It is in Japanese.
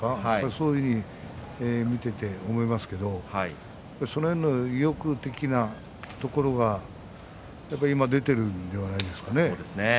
そういうふうに見ていて思いますけれどもそういう意欲的なところが今、出ているのではないですかね。